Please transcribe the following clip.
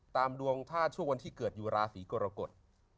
ตามดวงถ้าช่วงวันที่เกิดอยู่ราศีกรกฎ